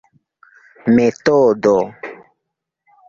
metodo